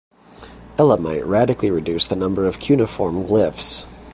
Elamite radically reduced the number of cuneiform glyphs.